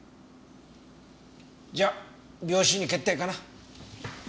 じゃあ病死に決定かな。